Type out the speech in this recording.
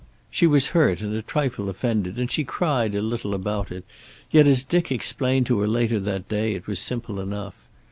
She was hurt and a trifle offended, and she cried a little about it. Yet, as Dick explained to her later that day, it was simple enough.